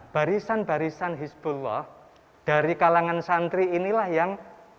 barisan barisan hizbullah dari kalangan santri inilah yang